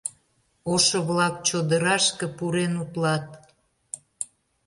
Ошо-влак чодырашке пурен утлат...